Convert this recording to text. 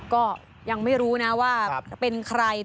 ก็ยังไม่รู้นะว่าเป็นใคร